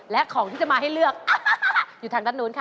และของที่จะมาให้เลือกอยู่ทางด้านนู้นค่ะ